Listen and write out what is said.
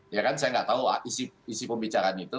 ya kan saya nggak tahu isi pembicaraan itu